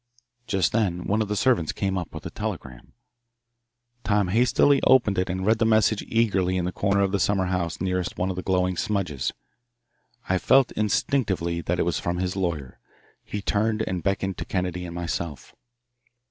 Just then one of the servants came up with a telegram. Tom hastily opened it and read the message eagerly in the corner of the summer house nearest one of the glowing smudges. I felt instinctively that it was from his lawyer. He turned and beckoned to Kennedy and myself.